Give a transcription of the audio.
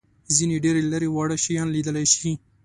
ځینې ډېر لېري واړه شیان لیدلای شي.